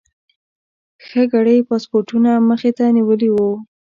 ښه ګړی یې پاسپورټونه مخې ته نیولي ول.